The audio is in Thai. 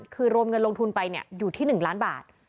คือรวมเงินลงทุนไปอยู่ที่๑ล้านบาท